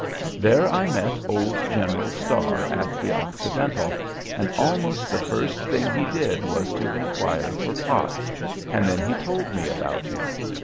There I met old General Starr at the 'Occidental,' and almost the first thing he did was to inquire for Potts, and then he told me about him.